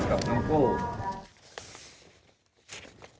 กับน้องโกว